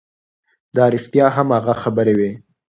دا رښتیا هم هغه خبرې وې